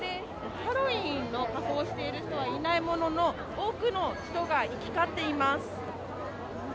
ハロウィンの格好をしている人はいないものの、多くの人が行き交っています。